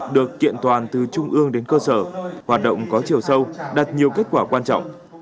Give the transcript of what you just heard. được kiện toàn từ trung ương đến cơ sở hoạt động có chiều sâu đạt nhiều kết quả quan trọng